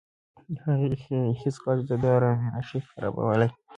هیڅ غږ د ده ارامي نه شي خرابولی.